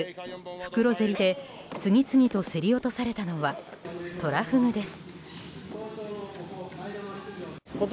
袋競りで次々と競り落とされたのはトラフグです。